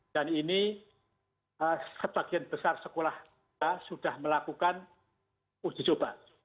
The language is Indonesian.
dan ini sebagian besar sekolah sudah melakukan uji coba